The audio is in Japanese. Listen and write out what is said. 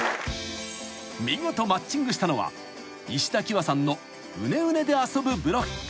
［見事マッチングしたのは石田己和さんのうねうねで遊ぶブロック］